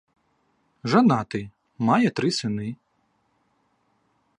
Жанаты, мае тры сыны.